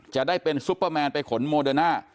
จะได้เป็นซุปเปอร์แมนไปขนโมเดอร์น่า